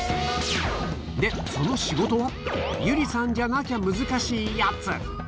で、その仕事は、友梨さんじゃなきゃ難しいやつ。